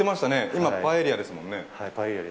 今、パエリアですもんね。